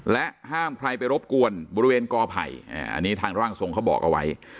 ห้ามใครไปรบกวนบริเวณกอไผ่อันนี้ทางร่างทรงเขาบอกเอาไว้